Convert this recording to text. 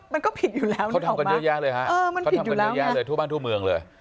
มันก็ผิดอยู่แล้วเขาทำกันเยอะแยะเลยฮะทั่วบ้านทั่วเมืองเลย